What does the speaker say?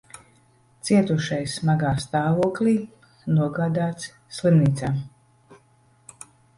Cietušais smagā stāvoklī nogādāts slimnīcā.